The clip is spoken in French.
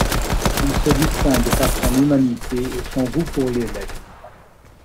Il se distingue par son humanité et son goût pour les lettres.